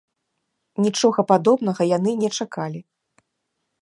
Нічога падобнага яны не чакалі.